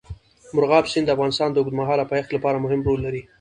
مورغاب سیند د افغانستان د اوږدمهاله پایښت لپاره مهم رول لري.